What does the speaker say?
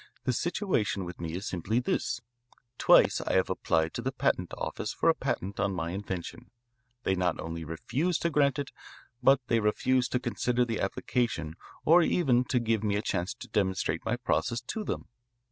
The situation with me is simply this. Twice I have applied to the patent office for a patent on my invention. They not only refuse to grant it, but they refuse to consider the application or even to give me a chance to demonstrate my process to them.